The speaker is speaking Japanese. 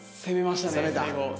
攻めましたね最後。